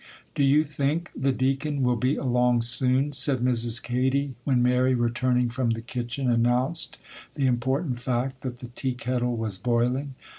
'Do you think the Deacon will be along soon?' said Mrs. Katy, when Mary, returning from the kitchen, announced the important fact, that the tea kettle was boiling.